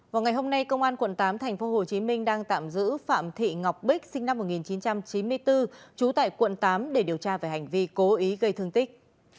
vào ngày hôm nay công an quận tám tp hcm đang tạm giữ phạm thị ngọc bích sinh năm một nghìn chín trăm chín mươi bốn trú tại quận tám để điều tra về hành vi cố ý gây thương tích